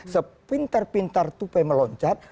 sepintar pintar tupai meloncat